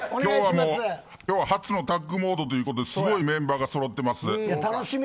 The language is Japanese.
今日は初のタッグモードということですごいメンバーがそろってます。